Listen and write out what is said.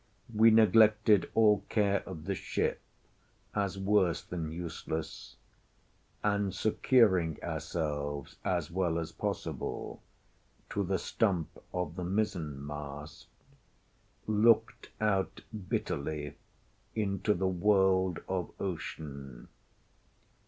We neglected all care of the ship, as worse than useless, and securing ourselves, as well as possible, to the stump of the mizen mast, looked out bitterly into the world of ocean.